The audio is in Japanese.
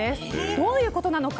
どういうことなのか